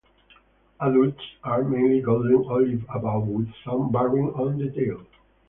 Adults are mainly golden olive above with some barring on the tail.